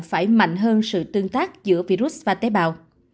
phải mạnh hơn sự tương tác giữa virus và tế bào